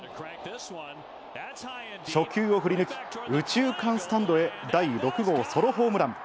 初球を振り抜き、右中間スタンドへ第６号ソロホームラン。